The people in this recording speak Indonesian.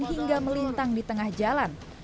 hingga melintang di tengah jalan